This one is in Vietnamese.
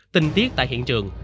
tình tiết tại hiện trường